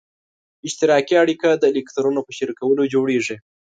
اشتراکي اړیکه د الکترونونو په شریکولو جوړیږي.